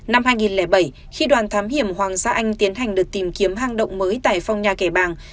năm hai nghìn bảy khi đoàn thám hiểm hoàng gia anh tiến hành đợt tìm kiếm hang động mới tại phong nha kẻ bàng